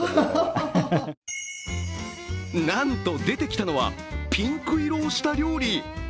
なんと出てきたのはピンク色をした料理！